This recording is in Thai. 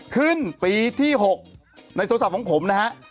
ขึ้นปีที่๖ในโทรศัพท์ของผมนะฮะ